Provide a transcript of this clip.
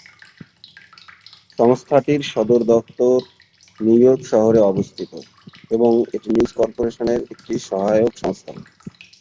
সংস্থাটির সদর দফতর নিউইয়র্ক শহরে অবস্থিত এবং এটি নিউজ কর্পোরেশনের একটি সহায়ক সংস্থা।